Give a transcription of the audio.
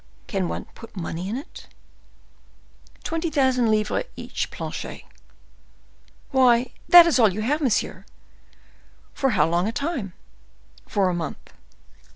Can one put much money in it?" "Twenty thousand livres each, Planchet." "Why, that is all you have, monsieur. For how long a time?" "For a month."